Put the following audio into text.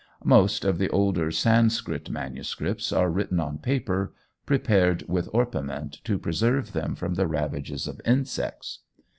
Most of the older Sanscrit MSS. are written on paper prepared with orpiment to preserve them from the ravages of insects.